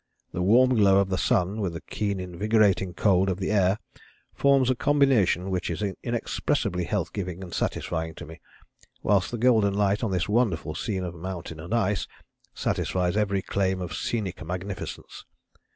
The warm glow of the sun with the keen invigorating cold of the air forms a combination which is inexpressibly health giving and satisfying to me, whilst the golden light on this wonderful scene of mountain and ice satisfies every claim of scenic magnificence.